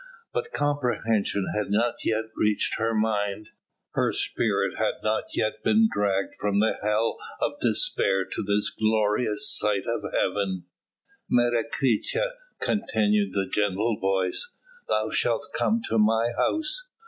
But comprehension had not yet reached her mind. Her spirit had not yet been dragged from the hell of despair to this glorious sight of heaven. "Menecreta," continued the gentle voice, "thou shalt come to my house.